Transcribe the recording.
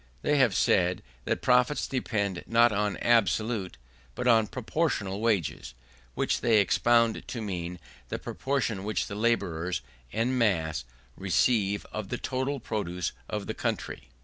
They have said that profits depend not on absolute, but on proportional wages: which they expounded to mean the proportion which the labourers en masse receive of the total produce of the country.